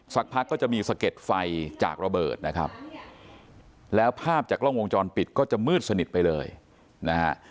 สักพักก็จะมีสะเก็ดไฟจากระเบิดนะครับแล้วภาพจากกล้องวงจรปิดก็จะมืดสนิทไปเลยนะฮะ